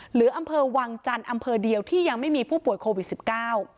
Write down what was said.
อำเภอวังจันทร์อำเภอเดียวที่ยังไม่มีผู้ป่วยโควิดสิบเก้า